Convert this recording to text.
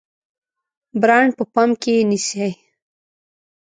برانډ په پام کې نیسئ؟